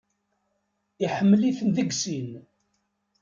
Iḥemmel-iten deg sin.